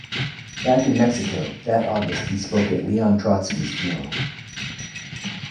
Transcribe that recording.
Back in Mexico, that August he spoke at Leon Trotsky's funeral.